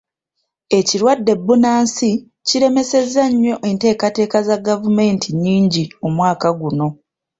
Ekirwadde bbunansi kiremesezza nnyo enteekateeka za gavumenti nnyingi omwaka guno.